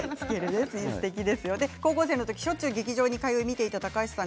高校生の時しょっちゅう劇場に通い見ていた高橋さん